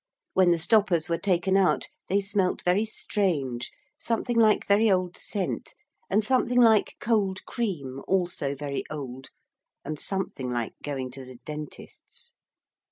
When the stoppers were taken out they smelt very strange, something like very old scent, and something like cold cream also very old, and something like going to the dentist's.